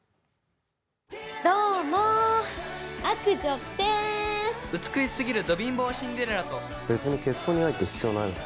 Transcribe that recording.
どうも悪女です美しすぎるド貧乏シンデレラと別に結婚に愛って必要ないだろ？